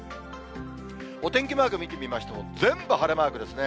お天気マーク見てみましても、全部晴れマークですね。